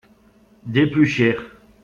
Des plus chers.